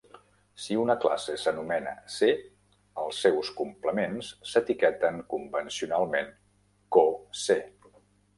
Si una classe s'anomena C, els seus complements s'etiqueten convencionalment co-C.